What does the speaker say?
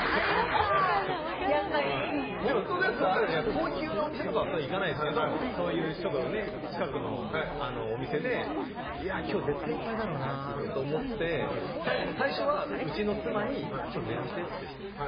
高級なお店とかは行かないですけどそういう近くのお店で今日、絶対いっぱいだろうなと思って最初はうちの妻に電話してって。